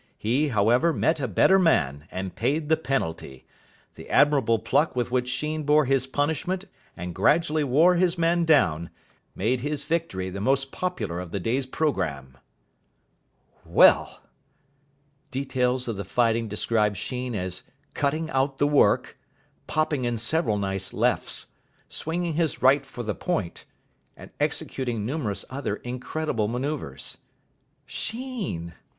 He, however, met a better man, and paid the penalty. The admirable pluck with which Sheen bore his punishment and gradually wore his man down made his victory the most popular of the day's programme." Well! Details of the fighting described Sheen as "cutting out the work", "popping in several nice lefts", "swinging his right for the point", and executing numerous other incredible manoeuvres. _Sheen!